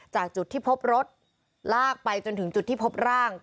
จากจุดที่พบรถลากไปจนถึงจุดที่พบร่าง